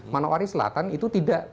manowari selatan itu tidak